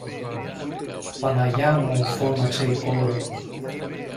Παναγιά μου! φώναξε η κόρη.